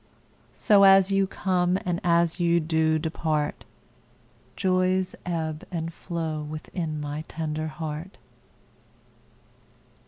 So as you come and as you do depart, Joys ebb and flow within my tender heart.